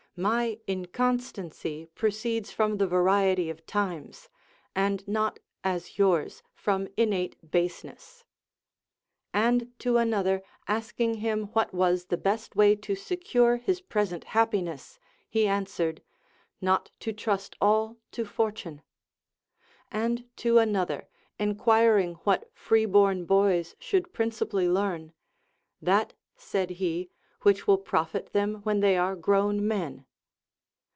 My inconstancy proceeds from the variety of times, and not as yours from innate baseness. And to an other asking him what was the best way to secure his pres ent happiness, he answered. Not to trust all to Fortune. And to another enquiring what free born boys should prin cipally learn, That, said he, which will profit them Avhen they are grown men.